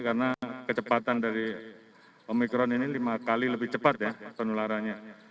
karena kecepatan dari omikron ini lima kali lebih cepat ya penularannya